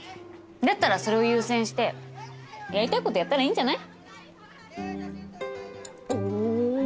だったらそれを優先してやりたいことやったらいいんじゃない？